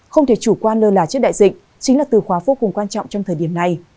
không thể chủ quan lơ là trước đại dịch chính là từ khóa vô cùng quan trọng trong thời điểm này